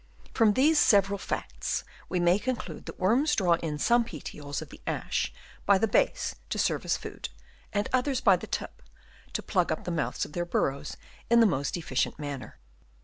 From these several facts we may conclude that worms draw in some petioles of the ash by the base to serve as food, and others by the tip to plug up the mouths of their burrows in the most efficient manner.